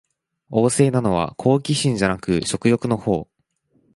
旺盛なのは好奇心じゃなく食欲のほう